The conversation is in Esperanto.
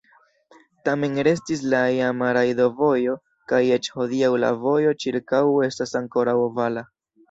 Tamen restis la iama rajdovojo kaj eĉ hodiaŭ la vojo ĉirkaŭe estas ankoraŭ ovala.